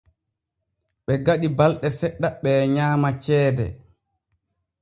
Ɓe gaɗi balɗe seɗɗa ɓee nyaama ceede.